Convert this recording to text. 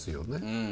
うん。